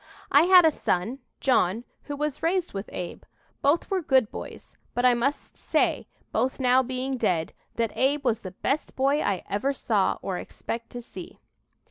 "I had a son, John, who was raised with Abe. Both were good boys, but I must say, both now being dead, that Abe was the best boy I ever saw or expect to see."